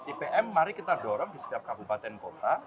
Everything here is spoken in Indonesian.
ipm mari kita dorong di setiap kabupaten kota